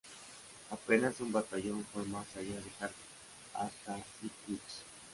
Apenas un batallón fue más allá de Harbin, hasta Irkutsk.